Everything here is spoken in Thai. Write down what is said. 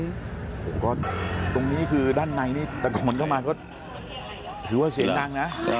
โอ้โหก็ตรงนี้คือด้านในนี่ตะโกนเข้ามาก็ถือว่าเสียงดังนะ